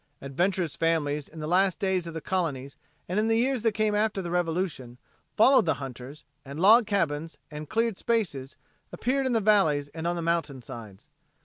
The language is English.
Adventurous families in the last days of the Colonies and in the years that came after the Revolution, followed the hunters, and log cabins and "cleared spaces" appeared in the valleys and on the mountainsides.